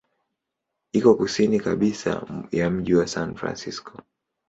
Iko kusini kabisa ya mji wa San Francisco.